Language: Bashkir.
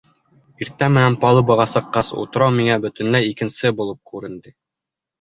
Иртә менән палубаға сыҡҡас, утрау миңә бөтөнләй икенсе булып күренде.